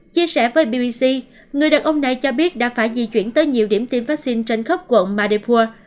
chia sẻ với bec người đàn ông này cho biết đã phải di chuyển tới nhiều điểm tiêm vaccine trên khắp quận madeburg